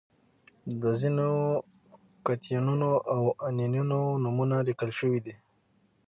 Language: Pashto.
د ځینو کتیونونو او انیونونو نومونه لیکل شوي دي.